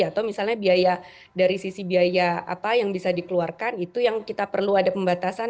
atau misalnya biaya dari sisi biaya apa yang bisa dikeluarkan itu yang kita perlu ada pembatasan